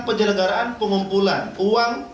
penyelenggaraan pengumpulan uang